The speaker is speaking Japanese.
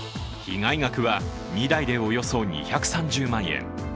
被害額は２台でおよそ２３０万円。